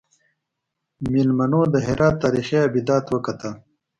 میلمنو د هرات تاریخي ابدات وکتل.